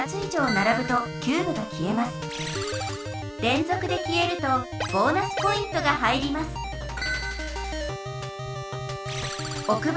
れんぞくで消えるとボーナスポイントが入りますおく